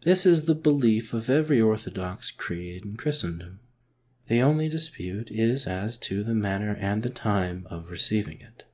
This is the belief of every orthodox creed in Christendom. The only dispute is as to the manner and the time of receiving it.